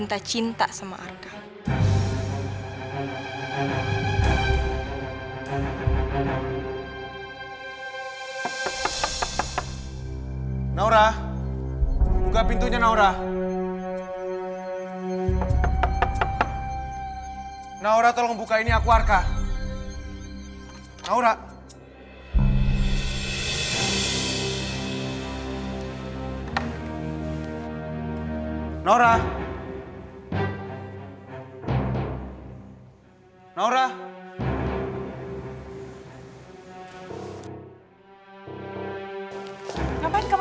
dia ada di belakang